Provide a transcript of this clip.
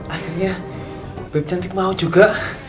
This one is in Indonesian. akhirnya bebe cantik mau juga